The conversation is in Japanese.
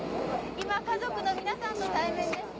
今家族の皆さんと対面です。